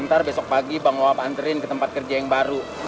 ntar besok pagi bang oa banterin ke tempat kerja yang baru